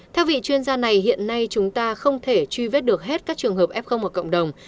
theo vị chuyên gia này hiện nay chúng ta không thể truy vết được hết các trường hợp f ở cộng đồng